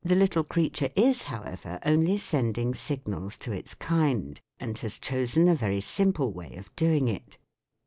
IS ' OWCVCr, only sending signals to its kind, and has chosen a very simple way of doing it.